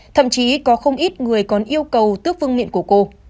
thậm chí có không ít người còn yêu cầu tước phương miệng của cô